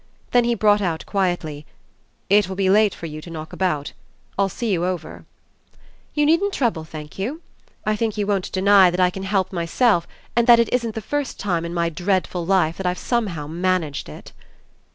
Then he brought out quietly: "It will be late for you to knock about. I'll see you over." "You needn't trouble, thank you. I think you won't deny that I can help myself and that it isn't the first time in my dreadful life that I've somehow managed it."